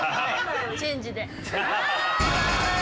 チェンジです